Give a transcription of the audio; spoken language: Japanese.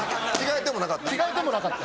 着替えてもなかった？